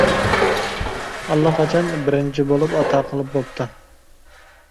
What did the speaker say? ئاللىقاچان بىرىنچى بولۇپ ئاتا قىلىپ بوپتۇ.